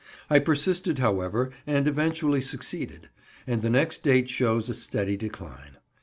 I persisted, however, and eventually succeeded; and the next date shows a steady decline.